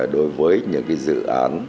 đối với những cái dự án